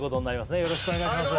よろしくお願いします